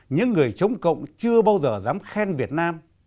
những người chống cộng chưa bao giờ dám khen việt nam